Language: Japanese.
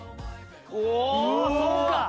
おおそうか！